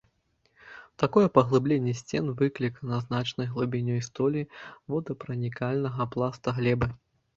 Такое паглыбленне сцен выклікана значнай глыбінёй столі воданепранікальнага пласта глебы.